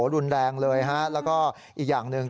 รุนแรงเลยฮะแล้วก็อีกอย่างหนึ่ง